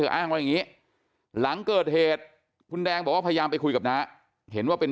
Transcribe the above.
อ้างว่าอย่างนี้หลังเกิดเหตุคุณแดงบอกว่าพยายามไปคุยกับน้าเห็นว่าเป็น